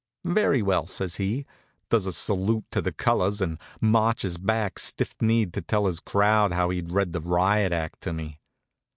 "Very well," says he, does a salute to the colors, and marches back stiff kneed to tell his crowd how he'd read the riot act to me.